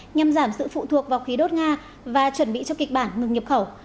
nhằm giảm sự phụ thuộc vào khí đốt nga và chuẩn bị cho kịch bản ngừng nhập khẩu